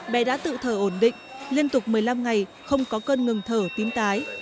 bé đã tự thở ổn định liên tục một mươi năm ngày không có cơn ngừng thở tím tái